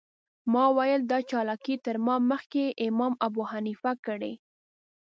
ما ویل دا چالاکي تر ما مخکې امام ابوحنیفه کړې.